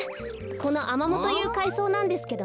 このアマモというかいそうなんですけどね。